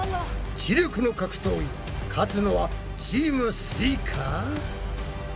知力の格闘技勝つのはチームすイか？